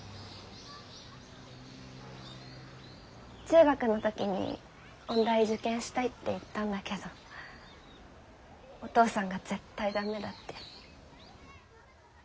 中学の時に音大受験したいって言ったんだけどお父さんが絶対駄目だって。